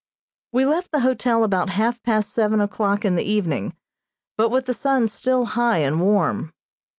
We left the hotel about half past seven o'clock in the evening, but with the sun still high and warm.